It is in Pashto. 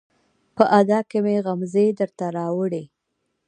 په ادا کې مې غمزې درته راوړي